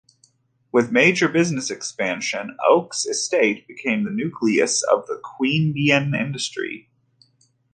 With a major business expansion Oaks Estate became the nucleus of Queanbeyan industry.